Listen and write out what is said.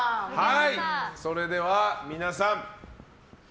それでは皆さん。